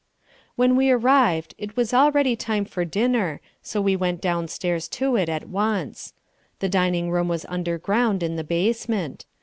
When we arrived it was already time for dinner so we went downstairs to it at once. The dining room was underground in the basement.